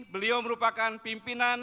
beliau merupakan pimpinan